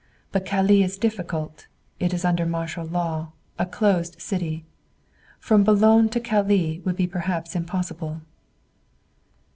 "But Calais is difficult. It is under martial law a closed city. From Boulogne to Calais would be perhaps impossible."